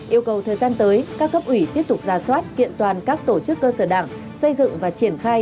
yêu cầu thời gian tới các cấp ủy tiếp tục ra soát kiện toàn các tổ chức cơ sở đảng xây dựng và triển khai